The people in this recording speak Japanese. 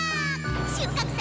収穫祭